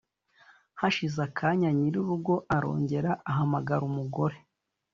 hashize akanya nyir'urugo arongera ahamagara umugore